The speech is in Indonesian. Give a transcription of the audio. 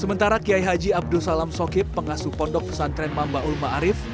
sementara kiai haji abdusalam sokip pengasuh pondok pesantren mamba ulma arif